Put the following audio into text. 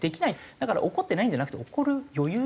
だから怒ってないんじゃなくて怒る余裕すらないんだ。